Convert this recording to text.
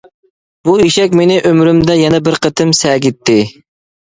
بۇ ئېشەك مېنى ئۆمرۈمدە يەنە بىر قېتىم سەگىتتى.